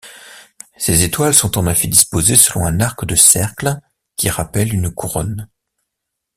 Ses étoiles sont en effet disposées selon un arc-de-cercle qui rappelle une couronne.